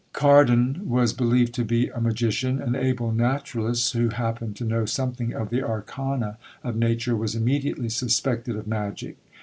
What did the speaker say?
Cardan was believed to be a magician. An able naturalist, who happened to know something of the arcana of nature, was immediately suspected of magic.